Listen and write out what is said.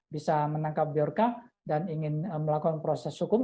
bisa menangkap biorca dan ingin melakukan proses hukum